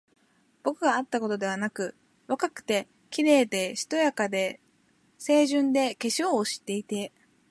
僕があったことがなくて、若くて、綺麗で、しとやかで、清純で、化粧を知っていて、